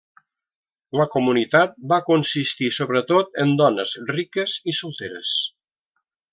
La comunitat va consistir sobretot en dones riques i solteres.